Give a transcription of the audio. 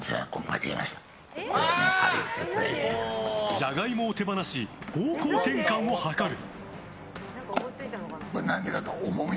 ジャガイモを手放し方向転換を図る。